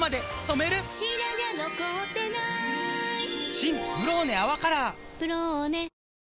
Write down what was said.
新「ブローネ泡カラー」「ブローネ」